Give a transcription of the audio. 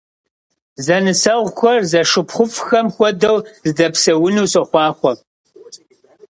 Зэнысэгъухэр зэшыпхъуфӀхэм хуэдэу зэдэпсэуну сохъуахъуэ!